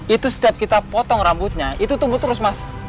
itu setiap kita potong rambutnya itu tumbuh terus mas